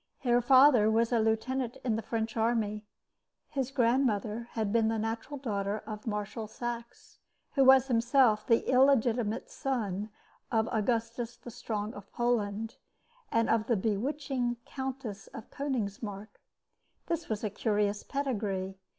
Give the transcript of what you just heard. Her father was a lieutenant in the French army. His grandmother had been the natural daughter of Marshal Saxe, who was himself the illegitimate son of Augustus the Strong of Poland and of the bewitching Countess of Konigsmarck. This was a curious pedigree.